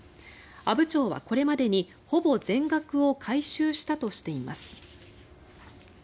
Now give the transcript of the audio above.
阿武町はこれまでにほぼ全額を回収したとしています。